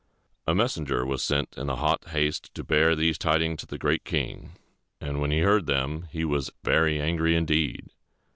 A messenger was sent in hot haste to bear these tidings to The Great King; and when he heard them, he was very angry indeed.